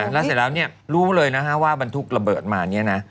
แล้วเสร็จแล้วรู้เลยนะฮะว่าบรรทุกระเบิดมาเนี่ยนะ